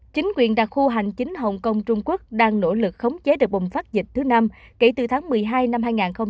chính quyền đặc khu hành chính hồng kông trung quốc đang nỗ lực khống chế đợt bùng phát dịch thứ năm kể từ tháng một mươi hai năm hai nghìn hai mươi